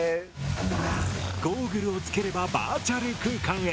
ゴーグルをつければバーチャル空間へ。